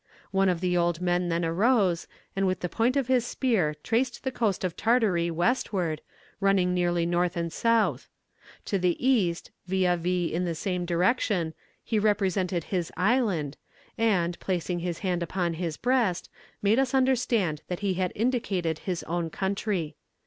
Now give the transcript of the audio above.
One of the old men then arose, and with the point of his spear traced the coast of Tartary westward, running nearly N. and S. To the east, vis à vis in the same direction, he represented his island, and, placing his hand upon his breast, made us understand that he had indicated his own country.